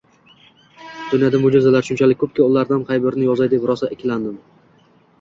Dunyoda mo``jizalar shunchalar ko`pki, ulardan qay birini yozay deb rosa ikkilandim